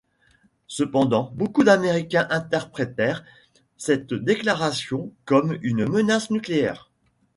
Cependant, beaucoup d'Américains interprétèrent cette déclaration comme une menace nucléaire.